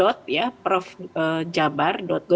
masyarakat itu bisa membuka